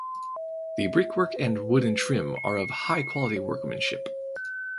The brickwork and wooden trim are of high quality workmanship.